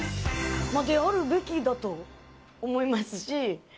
であるべきだと思いますし。